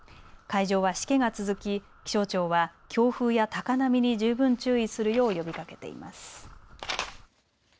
海上は、しけが続き気象庁は強風や高波に十分注意するよう呼びかけています。